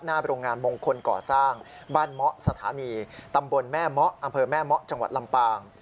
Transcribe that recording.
โรงงานมงคลก่อสร้างบ้านเมาะสถานีตำบลแม่เมาะอำเภอแม่เมาะจังหวัดลำปาง